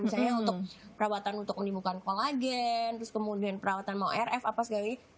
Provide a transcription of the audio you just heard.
misalnya untuk perawatan untuk menimbulkan kolagen terus kemudian perawatan mau rf apa segalanya